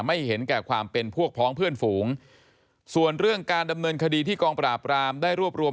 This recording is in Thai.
ไม่เห็นแก่ความเป็นพวกพ้องเพื่อนฝูงส่วนเรื่องการดำเนินคดีที่กองปราบรามได้รวบรวม